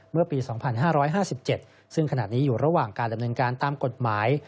เมื่อปี๒๕๕๗ซึ่งขณะนี้อยู่ระหว่างการดำเนินการตามกฎหมาย